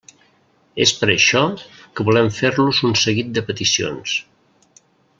És per això que volem fer-los un seguit de peticions.